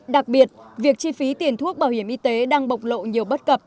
đặc biệt việc chi phí tiền thuốc bảo hiểm y tế đang bộc lộ nhiều bất cập